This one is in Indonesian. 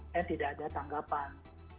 dan tidak ada tanggapan